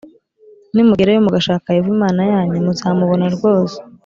“Nimugerayo mugashaka Yehova Imana yanyu, muzamubona rwose,